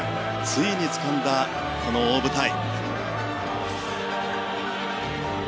ついにつかんだ、この大舞台。